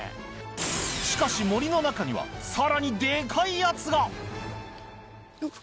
しかし森の中にはさらにでかいやつが！